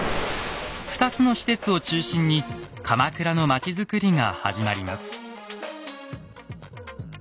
２つの施設を中心に鎌倉の町づくりが始まります。